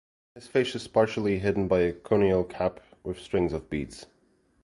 His face is partially hidden by a conical cap with strings of beads.